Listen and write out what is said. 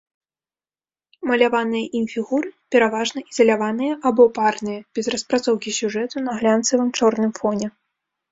Маляваныя ім фігуры пераважна ізаляваныя або парныя, без распрацоўкі сюжэту на глянцавым чорным фоне.